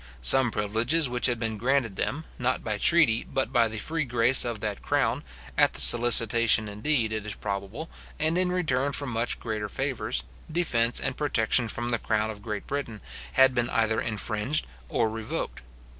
Some privileges which had been granted them, not by treaty, but by the free grace of that crown, at the solicitation, indeed, it is probable, and in return for much greater favours, defence and protection from the crown of Great Britain, had been either infringed or revoked.